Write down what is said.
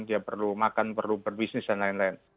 dia perlu makan perlu berbisnis dan lain lain